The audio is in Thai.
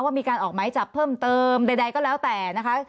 มีการออกไม้จับเพิ่มเติมใดก็แล้วแต่นะคะ